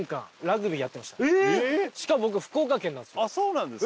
しかも僕福岡県なんです。